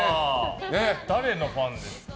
誰のファンですか？